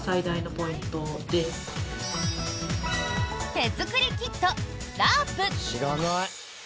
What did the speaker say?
手づくりキットラープ。